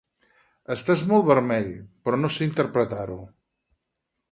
Estàs molt vermell, però no sé interpretar-ho